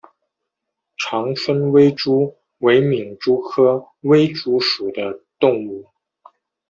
长春微蛛为皿蛛科微蛛属的动物。